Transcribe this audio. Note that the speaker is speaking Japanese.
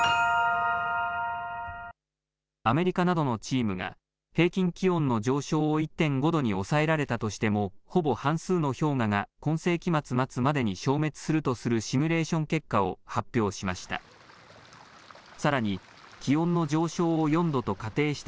アメリカなどのチームが平均気温の上昇を１．５度に抑えられたとしても、ほぼ半数の氷河が今世紀末までに消滅するとするシミュレーション結果を発表しました。